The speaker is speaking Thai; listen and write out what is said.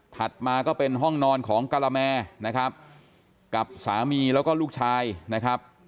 มาก็เป็นห้องนอนของกะละแมนะครับกับสามีแล้วก็ลูกชายนะครับ